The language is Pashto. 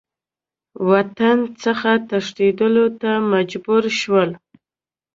وطن څخه تښتېدلو ته مجبور شول.